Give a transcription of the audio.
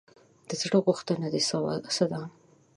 د زړه غوښتنه دې څه ده ؟